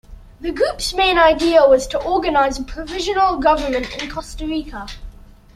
The group's main idea was to organize a provisional government in Costa Rica.